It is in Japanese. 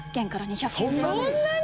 そんなに！